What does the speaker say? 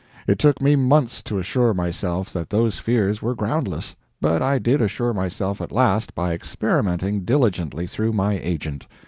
It took me months to assure myself that those fears were groundless, but I did assure myself at last by experimenting diligently through my agent.